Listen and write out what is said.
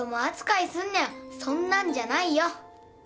そんなんじゃないよ。